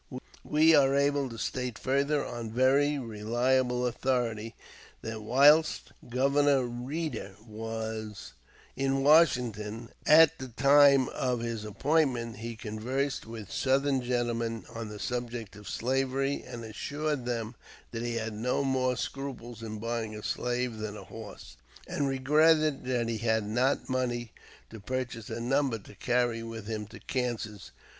We are able to state further, on very reliable authority, that whilst Governor Reeder was in Washington, at the time of his appointment, he conversed with Southern gentlemen on the subject of slavery, and assured them that he had no more scruples in buying a slave than a horse, and regretted that he had not money to purchase a number to carry with him to Kansas."